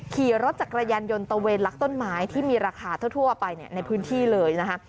ขี่รถจักรยานยนต์ตะเวนลักต้นไม้ที่มีราคาทั่วไปในพื้นที่เลยนะคะ